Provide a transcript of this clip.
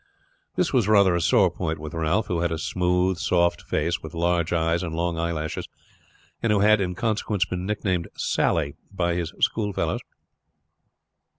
This was rather a sore point with Ralph, who had a smooth soft face with large eyes and long eyelashes, and who had, in consequence, been nicknamed "Sally" by his schoolfellows.